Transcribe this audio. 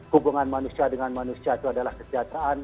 hubungan manusia dengan manusia itu adalah kesejahteraan